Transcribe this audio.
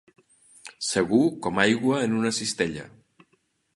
Segur com aigua en una cistella.